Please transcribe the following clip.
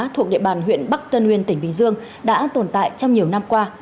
thuộc địa bàn huyện bắc tân uyên tỉnh bình dương đã tồn tại trong nhiều năm qua